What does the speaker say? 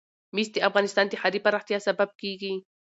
مس د افغانستان د ښاري پراختیا سبب کېږي.